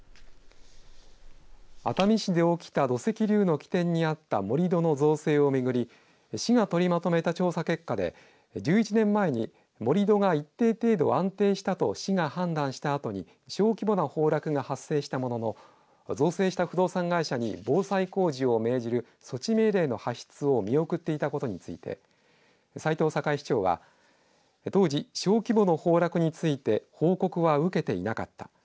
熱海市で起きた土石流の起点にあった盛り土の造成を巡り市が取りまとめた調査結果で１１年前に盛り土が一定程度安定したと市が判断したあとに小規模な崩落が発生したものの造成した不動産会社に防災工事を命じる措置命令の発出を見送っていたことについて斉藤栄市長は当時、小規模の崩落について報告は受けていなかった。